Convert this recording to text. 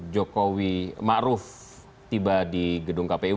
jokowi ma'ruf tiba di gedung kpu